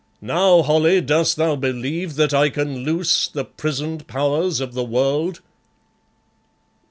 Now, Holly, dost thou believe that I can loose the prisoned Powers of the world?"